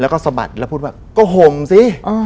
แล้วก็สะบัดแล้วพูดว่าก็ห่มสิ